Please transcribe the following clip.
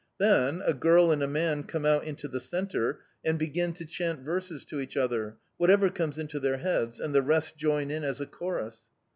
Then a girl and a man come out into the centre and begin to chant verses to each other whatever comes into their heads and the rest join in as a chorus.